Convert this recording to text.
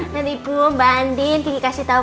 nanti ibu mbak andin kiki kasih tahu